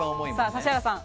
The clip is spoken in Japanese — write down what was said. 指原さん。